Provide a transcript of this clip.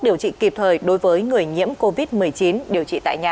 điều trị kịp thời đối với người nhiễm covid một mươi chín điều trị tại nhà